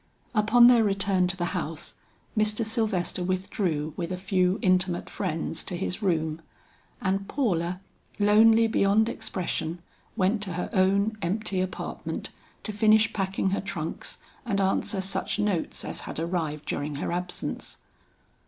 Upon their return to the house, Mr. Sylvester withdrew with a few intimate friends to his room, and Paula, lonely beyond expression, went to her own empty apartment to finish packing her trunks and answer such notes as had arrived during her absence.